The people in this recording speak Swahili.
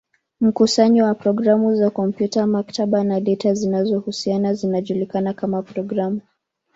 Mkusanyo wa programu za kompyuta, maktaba, na data zinazohusiana zinajulikana kama programu.